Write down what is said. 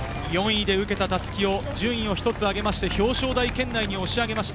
４位で受けた襷を、順位を一つ上げて表彰台圏内に押し上げた。